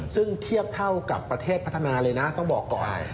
ซึ่งเทียบเท่ากับประเทศพัฒนาเลยนะต้องบอกก่อน